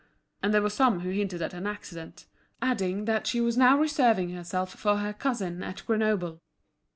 And there were some who hinted at an accident, adding that she was now reserving herself for her cousin at Grenoble.